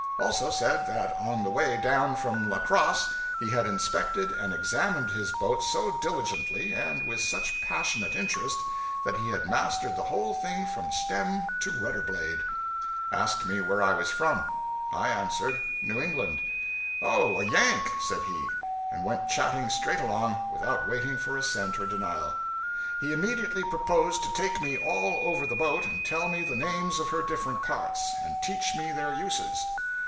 Also said that on the way down from La Crosse he had inspected and examined his boat so diligently and with such passionate interest that he had mastered the whole thing from stem to rudder blade. Asked me where I was from. I answered, New England. 'Oh, a Yank!' said he; and went chatting straight along, without waiting for assent or denial. He immediately proposed to take me all over the boat and tell me the names of her different parts, and teach me their uses.